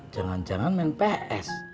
jangan jangan main ps